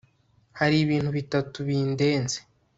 hari ibintu bitatu bindenze